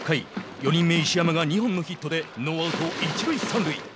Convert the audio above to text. ４人目、石山が２本のヒットでノーアウト、一塁三塁。